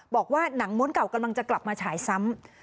บอกว่าหนังม้วนเก่ากำลังจะกลับมาฉายซ้ำ